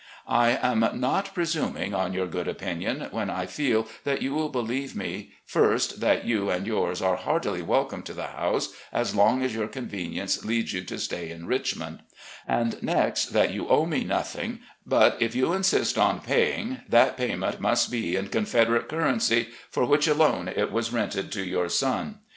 . I am not presuming on your good opinion, when I feel that you will believe me, first, that you and yours are heartily welcome to the house as long as your convenience leads you to stay in Richmond; and, next, that you owe me nothing, but, if you insist on pa5dng, that the payment must be in Confederate currency, for which alone it was rented to your son.